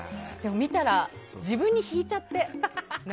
見てたら自分に引いちゃって。